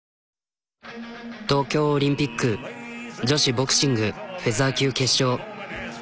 東京オリンピック女子ボクシングフェザー級決勝。